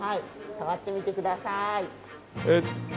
触ってみてください。